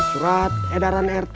surat edaran rt